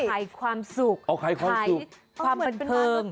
ขายความสุขขายความเป็นเพลิง